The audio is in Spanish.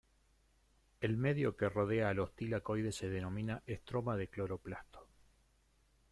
El medio que rodea a los tilacoides se denomina estroma del cloroplasto.